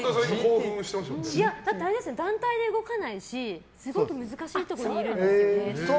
団体で動かないしすごく難しいところにいるんですよね。